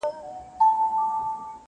د مسافر جانان کاغذه٫